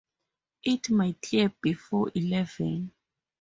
It might clear before eleven.